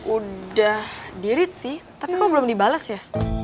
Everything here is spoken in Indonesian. udah di read sih tapi kok belum dibales ya